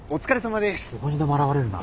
どこにでも現れるな。